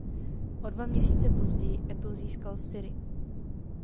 O dva měsíce později Apple získal Siri.